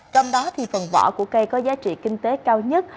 trong đó phần vỏ của cây có giá trị kinh tế cao nhất